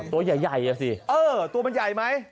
ตัวใหญ่อ่ะสิตัวมันใหญ่ไหม